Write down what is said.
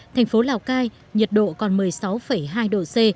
thành phố lào cai nhiệt độ còn một mươi sáu hai độ c